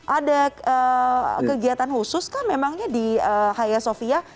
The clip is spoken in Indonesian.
ada kegiatan khusus kah memangnya di haya sofia